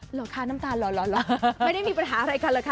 เหรอคะน้ำตาลหล่อไม่ได้มีปัญหาอะไรกันหรอกค่ะ